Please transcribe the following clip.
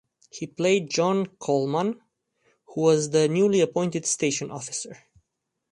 He played John Coleman who was the newly appointed Station Officer.